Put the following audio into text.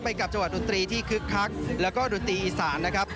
ไปกับจังหวัดดุนตรีที่คึกคักและดุนตรีอีสาน